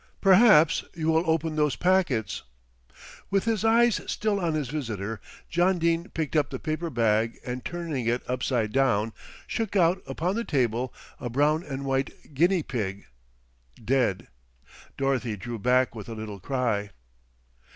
"Perhaps you will open those packets." With his eyes still on his visitor John Dene picked up the paper bag and, turning it upside down, shook out upon the table a brown and white guinea pig dead. Dorothy drew back with a little cry.